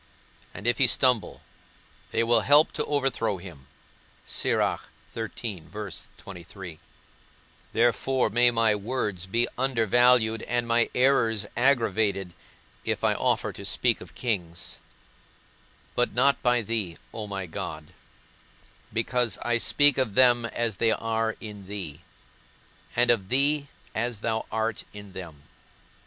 And if he stumble, they will help to overthrow him._ Therefore may my words be undervalued and my errors aggravated, if I offer to speak of kings; but not by thee, O my God, because I speak of them as they are in thee, and of thee as thou art in them.